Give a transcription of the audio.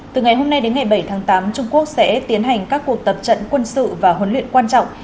từ ngày hôm nay đến ngày bảy tháng tám trung quốc sẽ tiến hành các cuộc tập trận quân sự và huấn luyện quan trọng